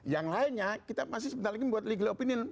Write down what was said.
yang lainnya kita masih sebentar lagi membuat legal opinion